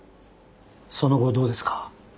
その後どうですか？